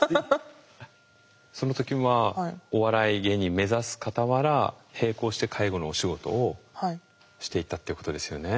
その時はお笑い芸人目指すかたわら並行して介護のお仕事をしていったっていうことですよね。